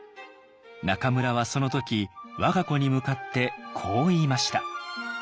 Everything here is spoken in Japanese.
中村はその時我が子に向かってこう言いました。